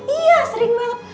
iya sering banget